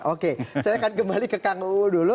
oke saya akan kembali ke kang uu dulu